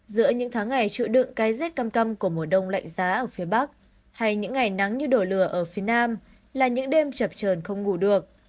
giữa những tháng ngày trụ đựng cái rét cam căm của mùa đông lạnh giá ở phía bắc hay những ngày nắng như đổi lửa ở phía nam là những đêm chập trờn không ngủ được